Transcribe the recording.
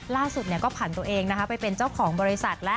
ล่าสุดก็ผ่านตัวเองไปเป็นเจ้าของบริษัทแล้ว